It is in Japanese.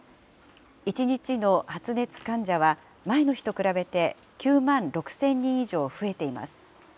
１日の発熱患者は前の日と比べて９万６０００人以上増えています。